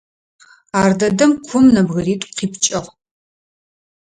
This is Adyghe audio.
Ар дэдэм кум нэбгыритӏу къипкӏыгъ.